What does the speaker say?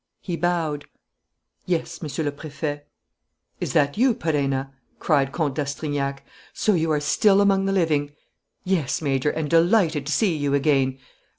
He bowed. "Yes, Monsieur le Préfet." "Is that you, Perenna?" cried Comte d'Astrignae. "So you are still among the living?" "Yes, Major, and delighted to see you again."